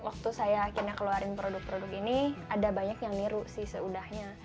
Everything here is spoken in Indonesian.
waktu saya akhirnya keluarin produk produk ini ada banyak yang niru sih seudahnya